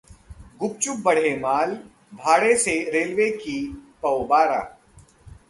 गुपचुप बढ़े माल भाड़े से रेलवे की 'पौ-बारह'